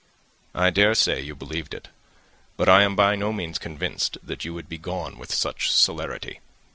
"I daresay you believed it; but I am by no means convinced that you would be gone with such celerity.